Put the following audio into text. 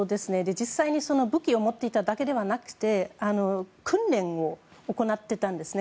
実際に武器を持っていただけではなくて訓練を行っていたんですね。